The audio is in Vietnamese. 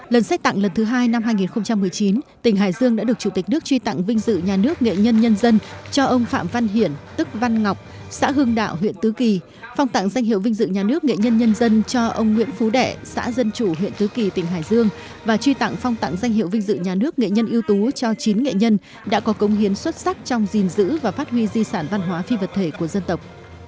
lần sách tặng lần thứ hai năm hai nghìn một mươi chín tỉnh hải dương đã được chủ tịch nước truy tặng vinh dự nhà nước nghệ nhân nhân dân cho ông phạm văn hiển tức văn ngọc xã hương đạo huyện tứ kỳ phong tặng danh hiệu vinh dự nhà nước nghệ nhân nhân dân cho ông nguyễn phú đẻ xã dân chủ huyện tứ kỳ tỉnh hải dương và truy tặng phong tặng danh hiệu vinh dự nhà nước nghệ nhân yêu tú cho chín nghệ nhân đã có công hiến xuất sắc trong gìn giữ và phát huy di sản văn hóa phi vật thể của dân tộc